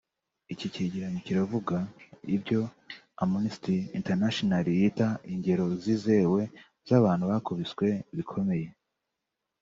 Iki cyegeranyo kiravuga ibyo Amnesty Internatianal yita ingero z’izewe z’abantu bakubiswe bikomeye